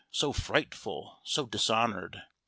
so frightful, so dishonored!